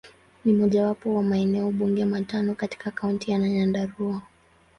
Ni mojawapo wa maeneo bunge matano katika Kaunti ya Nyandarua.